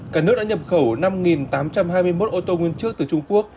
cả nước đã nhập khẩu năm tám trăm hai mươi một ô tô nguyên trước từ trung quốc